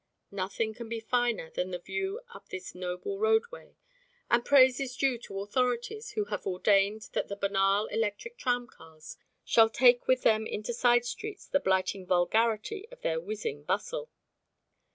Nothing can be finer than the view up this noble roadway, and praise is due to authorities who have ordained that the banal electric tramcars shall take with them into side streets the blighting vulgarity of their whizzing bustle.